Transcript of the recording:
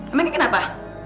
emang ini kenapa